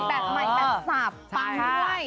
แบบไม่แต่สาปังด้วย